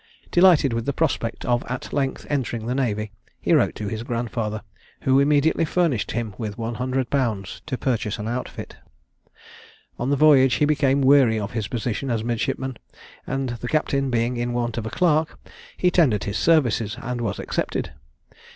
Delighted with the prospect of at length entering the navy, he wrote to his grandfather, who immediately furnished him with 100_l._ to purchase an outfit. On the voyage he became weary of his position as a midshipman, and the captain being in want of a clerk, he tendered his services and was accepted.